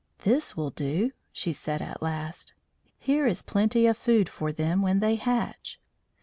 "This will do," she said at last. "Here is plenty of food for them when they hatch."